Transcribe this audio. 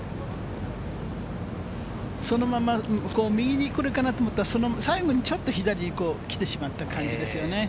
そのまま右にくるかなと思ったら、最後にちょっと左に来てしまった感じですよね。